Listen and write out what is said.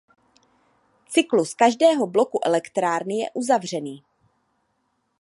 Cyklus každého bloku elektrárny je uzavřený.